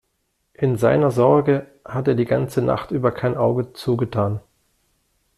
In seiner Sorge hat er die ganze Nacht über kein Auge zugetan.